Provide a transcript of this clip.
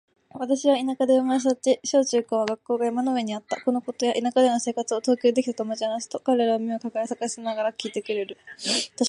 私は田舎で生まれ育ち、小・中・高は学校が山の上にあった。このことや田舎での生活を東京でできた友達に話すと、彼らは目を輝かせながら聞いてくれる。